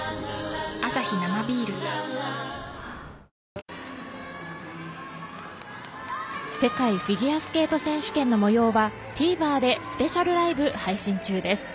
ＪＴ世界フィギュアスケート選手権の模様はＴＶｅｒでスペシャルライブ配信中です。